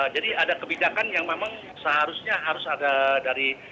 jadi ada kebijakan yang memang seharusnya harus ada dari